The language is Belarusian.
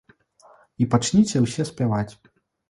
І пачніце ўсе спяваць.